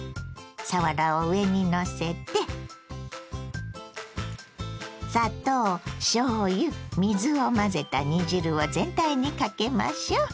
さわらを上にのせて砂糖しょうゆ水を混ぜた煮汁を全体にかけましょう。